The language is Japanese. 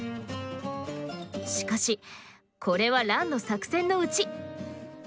しかしこれはランの作戦のうち。